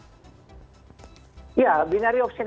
ya binary option ini kan tidak ada korelasi antara indrakens dan binomo ya